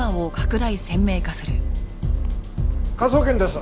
科捜研です。